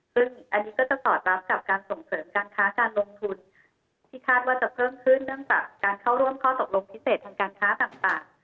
ซึ่งอันนี้ก็จะสอดรับกับการส่งเสริมการค้าการลงทุนที่คาดว่าจะเพิ่มขึ้นเรื่องแบบการเข้าร่วมข้อตกลงพิเศษทางการค้าต่าง